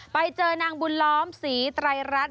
ไปเจอนางบุญล้อมศรีไตรรัฐ